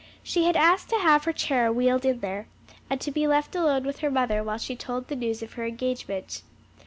She had asked to have her chair wheeled in there, and to be left alone with her mother while she told her the news of her engagement.